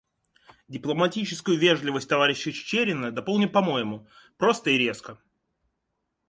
Дипломатическую вежливость товарища Чичерина дополню по-моему — просто и резко.